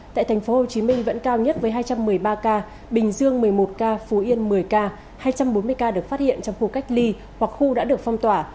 tại tp hcm vẫn cao nhất với hai trăm một mươi ba ca bình dương một mươi một ca phú yên một mươi ca hai trăm bốn mươi ca được phát hiện trong khu cách ly hoặc khu đã được phong tỏa